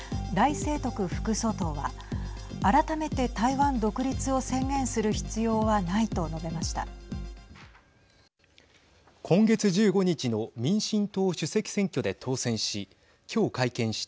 清徳副総統は改めて台湾独立を宣言する必要はないと述べました。